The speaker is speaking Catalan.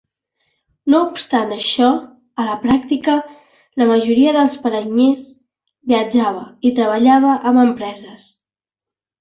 No obstant això, a la pràctica, la majoria dels paranyers viatjava i treballava amb empreses.